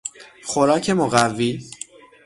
خوراک مقوی